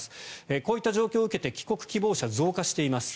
こういった状況を受けて帰国希望者が増加しています。